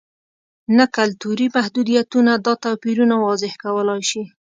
نه کلتوري محدودیتونه دا توپیرونه واضح کولای شي.